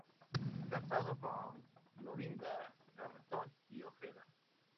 Casado con Clorinda Garretón y Ojeda.